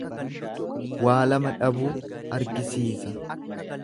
Waa lama dhabuu argisiisa.